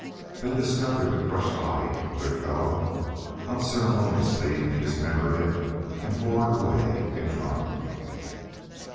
They discovered the crushed body of their fellow, unceremoniously dismembered it, and bore it away in triumph.